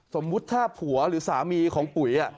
สมมุติถ้าผัวหรือสามีของปุ๋ย